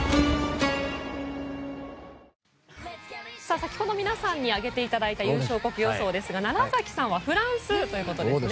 先ほど、皆さんに挙げていただいた優勝国予想ですが楢崎さんはフランスということですね。